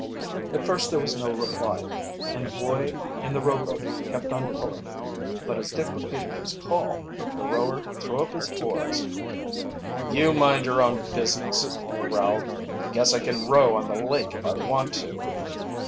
At first there was no reply, and the boy in the rowboat kept on pulling. But as Dick repeated his call, the rower threw up his oars. "You mind your own business," he growled. "Guess I can row on the lake if I want to."